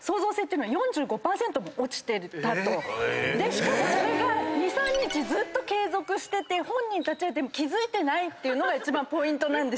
しかもそれが２３日ずっと継続してて本人たちは気付いてないっていうのが一番ポイントなんです。